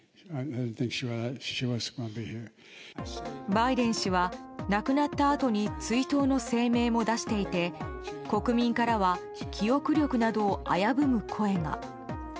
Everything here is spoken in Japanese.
バイデン氏は亡くなったあとに追悼の声明も出していて国民からは記憶力などを危ぶむ声が。